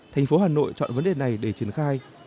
thành phố hà nội chọn vấn đề này để triển khai